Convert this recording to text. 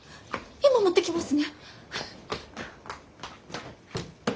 今持ってきますね。